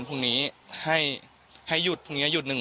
ฟังเสียงลูกจ้างรัฐตรเนธค่ะ